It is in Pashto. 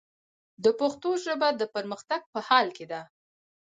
د پښتو ژبه، د پرمختګ په حال کې ده.